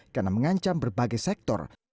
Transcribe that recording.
karena mengancam berbagai sektor